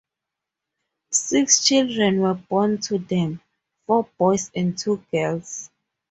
Six children were born to them, four boys and two girls.